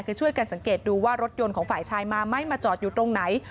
คือช่วยกันสังเกตดูว่ารถยนต์ของฝ่ายชายมาไหมมาจอดอยู่ตรงไหน